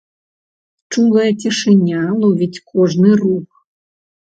Чулая цішыня ловіць кожны рух.